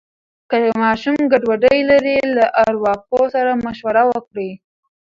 که ماشوم ګډوډي لري، له ارواپوه سره مشوره وکړئ.